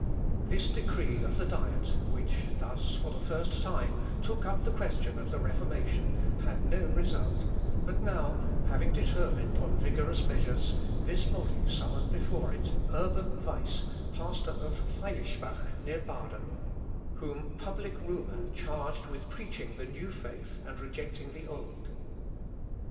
This decree of the Diet, which thus, for the first time, took up the question of the Reformation, had no result, but now having determined on vigorous measures, this body summoned before it Urban Weiss, pastor of Feilispach, near Baden, whom public rumour charged with preaching the new faith and rejecting the old.